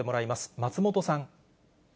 松本さん。